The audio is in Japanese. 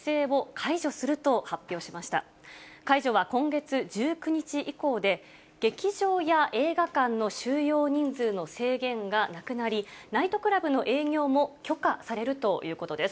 解除は今月１９日以降で、劇場や映画館の収容人数の制限がなくなり、ナイトクラブの営業も許可されるということです。